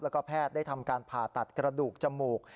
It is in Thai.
แล้วก็แพทย์ได้ทำการผ่าตัดกระดูกจมูก